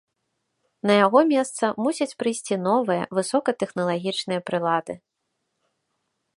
На яго месца мусяць прыйсці новыя высокатэхналагічныя прылады.